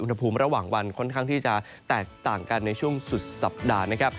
ระหว่างวันค่อนข้างที่จะแตกต่างกันในช่วงสุดสัปดาห์นะครับ